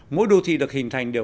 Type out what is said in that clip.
mỗi đô thị được hình thành đều là